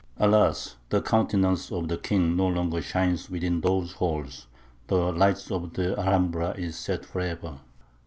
Alas! the countenance of the king no longer shines within those halls. The light of the Alhambra is set for ever!"